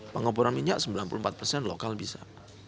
pengoboran minyak sembilan puluh empat persen lokal bisa